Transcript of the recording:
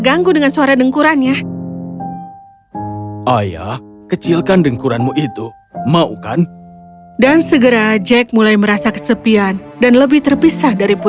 apakah kau ingin monster menjadi lebih kuat darimu